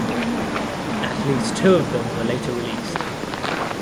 At least two of them were later released.